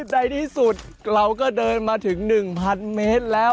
ในที่สุดเราก็เดินมาถึง๑๐๐เมตรแล้ว